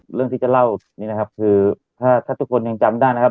เรื่องที่จะเล่านี้นะครับคือถ้าทุกคนยังจำได้นะครับ